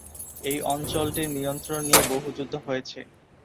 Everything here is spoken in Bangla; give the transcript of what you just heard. এই অঞ্চলটির নিয়ন্ত্রণ নিয়ে বহু যুদ্ধ হয়েছে।